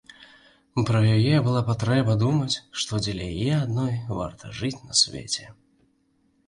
Пра яе была патрэба думаць, што дзеля яе адной варта жыць на свеце.